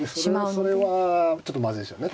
それはちょっとまずいですよね